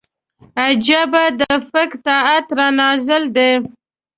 عجيبه د فکر قحط را نازل دی